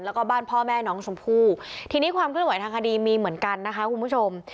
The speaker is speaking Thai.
แล้วก็บ้านพ่อแม่น้องชมพู่ทีนี้ความเคลื่อนไหวทางคดีมีเหมือนกันนะคะคุณผู้ชม